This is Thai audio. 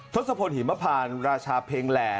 ทศพลหิมพานราชาเพลงแหล่